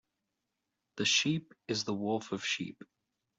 The sheep is the wolf of sheep.